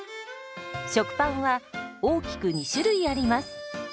食パンは大きく２種類あります。